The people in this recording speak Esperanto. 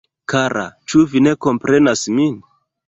Kara ĉu vi ne komprenas min?